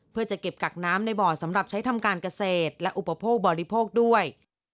เพื่อจะเก็บกักน้ำในบ่อสำหรับใช้ทำการเกษตรและอุปโภคบริโภคด้วย